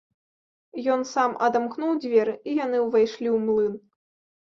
Ён сам адамкнуў дзверы, і яны ўвайшлі ў млын.